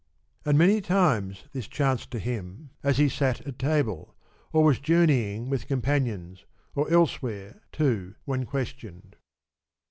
And many times this chanced to him as he sat at table, or was journeying with com panions, and elsewhere, too, when questioned.